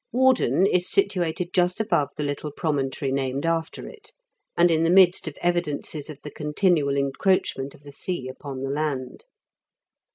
Warden is situated just above the little promontory named after it, and in the midst of evidences of the continual encroachment of the sea upon the land.